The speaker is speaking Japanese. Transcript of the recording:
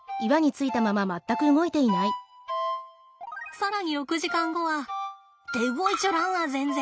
更に６時間後はって動いちょらんわ全然！